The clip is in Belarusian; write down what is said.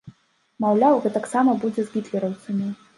Маўляў, гэтаксама будзе з гітлераўцамі.